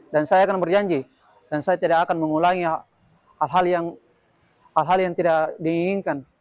dan saya akan berjanji dan saya tidak akan mengulangi hal hal yang tidak diinginkan